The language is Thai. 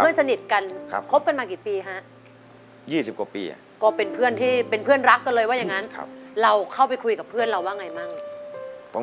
เพื่อนสนิทกันคบกันมากี่ปีฮะ๒๐กว่าปีก็เป็นเพื่อนที่เป็นเพื่อนรักกันเลยว่าอย่างนั้นเราเข้าไปคุยกับเพื่อนเราว่าไงมั่ง